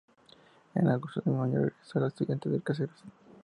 En agosto del mismo año regresó a Estudiantes de Caseros.